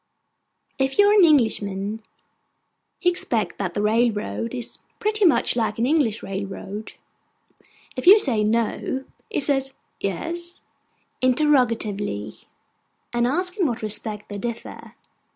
If you are an Englishman, he expects that that railroad is pretty much like an English railroad. If you say 'No,' he says 'Yes?' (interrogatively), and asks in what respect they differ.